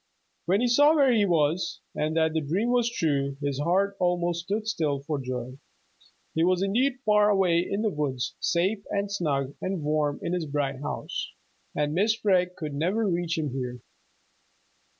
When he saw where he was, and that the dream was true, his heart almost stood still for joy. He was indeed far away in the woods, safe and snug and warm in this bright house, and Mrs. Freg could never reach him here.